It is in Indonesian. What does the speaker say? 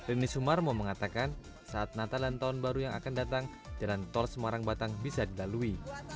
rini sumarmo mengatakan saat natal dan tahun baru yang akan datang jalan tol semarang batang bisa dilalui